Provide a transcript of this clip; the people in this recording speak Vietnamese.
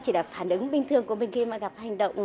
chỉ là phản ứng bình thường của mình khi mà gặp hành động